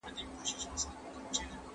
د ټولنې پرمختګ ناشونی دی.